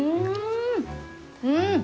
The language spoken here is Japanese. うん。